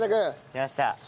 きました！